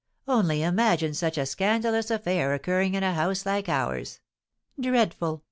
Only imagine such a scandalous affair occurring in a house like ours! Dreadful!